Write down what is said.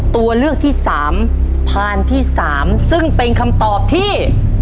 ตัวเลือกที่สามพานที่๓ซึ่งเป็นคำตอบที่